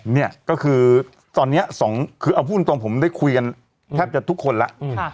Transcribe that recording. เนี่ยก็คือตอนนี้สองคือเอาพูดตรงผมได้คุยกันแทบจะทุกคนแล้ว